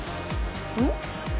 うん？